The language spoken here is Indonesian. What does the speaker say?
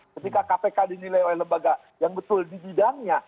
ketika kpk dinilai oleh lembaga yang betul di bidangnya